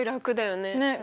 ねっ。